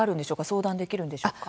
相談できるんでしょうか。